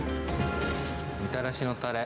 みたらしのたれ。